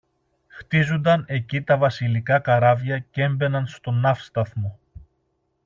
χτίζουνταν εκεί τα βασιλικά καράβια κι έμπαιναν στο ναύσταθμο.